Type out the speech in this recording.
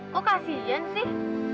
kok kasian sih